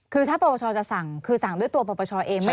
คือถ้าปรบัชชาติจะสั่งคือสั่งด้วยตัวปรบัชชาติเอง